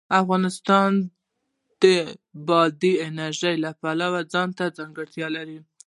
افغانستان د بادي انرژي د پلوه ځانته ځانګړتیا لري.